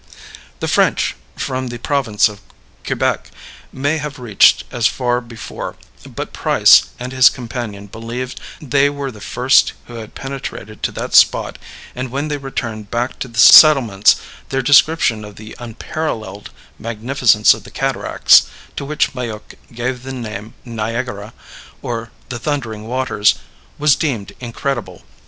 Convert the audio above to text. The French, from the province of Quebec, may have reached as far before, but Price and his companion believed they were the first who had penetrated to that spot; and when they returned back to the settlements their description of the unparalleled magnificence of the cataracts to which Maiook gave the name of Niagara, or the thundering waters, was deemed incredible.